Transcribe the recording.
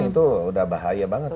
itu udah bahaya banget